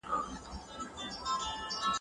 د دښمن لښکرې په ډېر بد حالت کې وې.